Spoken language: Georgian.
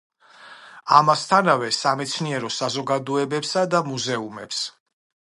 ამასთანავე, სამეცნიერო საზოგადოებებსა და მუზეუმებს.